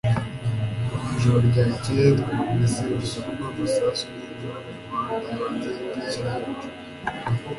Mu ijoro ryakeye, twumvise urusaku rw'amasasu n'induru ku muhanda hanze y'idirishya ryacu.